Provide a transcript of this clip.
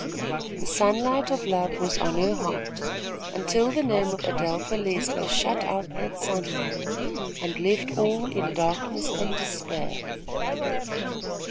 The sunlight of love was on her heart, until the name of Adelpha Leisler shut out that sunlight and left all in darkness and despair.